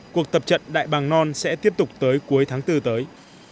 cuộc tập trận đại bằng non sẽ tiếp tục tới cuối tháng bốn tới